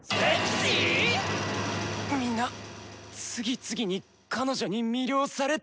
みんな次々に「彼女に」魅了されて！